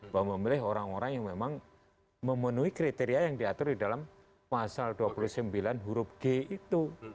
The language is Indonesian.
bahwa memilih orang orang yang memang memenuhi kriteria yang diatur di dalam pasal dua puluh sembilan huruf g itu